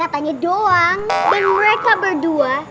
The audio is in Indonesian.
itu sama aduh